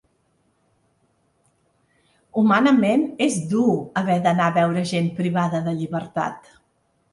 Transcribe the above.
Humanament és dur haver d’anar a veure gent privada de llibertat.